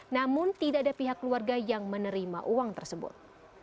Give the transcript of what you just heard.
namun tidak ada pihak keluarga yang menerima uang tersebut